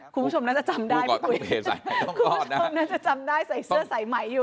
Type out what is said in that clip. คุณผู้ชมน่าจะจำได้พี่ปุ๋ยคุณผู้ชมน่าจะจำได้ใส่เสื้อสายไหมอยู่